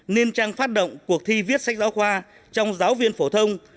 nên trang phát động cuộc thi viết sách giáo khoa trong giáo viên phổ thông